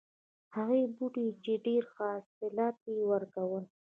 هغه بوټی چې ډېر حاصلات یې ورکول.